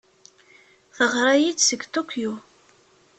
Teɣra-iyi-d seg Tokyo.